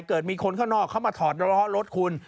เกิดมีคนข้างนอกเขามาถอดล้อรถคุณ